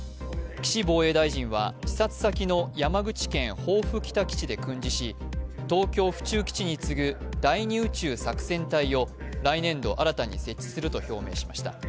岸防衛大臣は視察先の山口県防府北基地で訓示し東京・府中基地に次ぐ第２宇宙作戦隊を来年度、新たに設置すると表明しました。